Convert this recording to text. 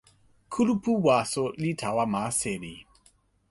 kulupu waso li tawa ma seli.